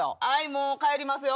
もう帰りますよ。